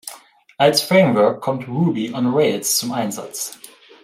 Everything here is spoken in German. Als Framework kommt Ruby on Rails zum Einsatz.